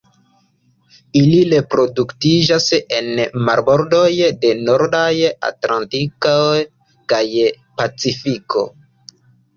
Ili reproduktiĝas en marbordoj de nordaj Atlantiko kaj Pacifiko.